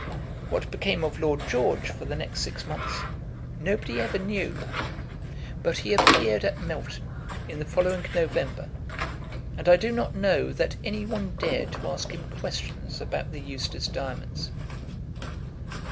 What became of Lord George for the next six months, nobody ever knew; but he appeared at Melton in the following November, and I do not know that any one dared to ask him questions about the Eustace diamonds.